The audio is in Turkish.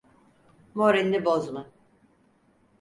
Moralini bozma.